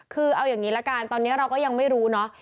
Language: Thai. คือเอาอย่างนี้ละกันตอนนี้เราก็ยังไม่รู้เนาะ